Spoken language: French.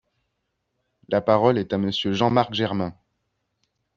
La parole est à Monsieur Jean-Marc Germain.